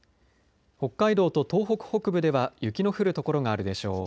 北海道と東北北部では雪の降る所があるでしょう。